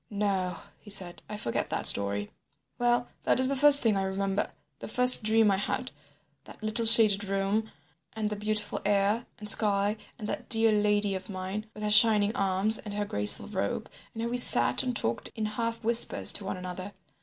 "No," he said, "I forget that story." "Well, that is the first thing I remember, the first dream I had, that little shaded room and the beautiful air and sky and that dear lady of mine, with her shining arms and her graceful robe, and how we sat and talked in half whispers to one another.